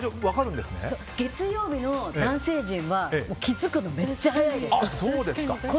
月曜日の男性陣は気づくのめっちゃ早いです。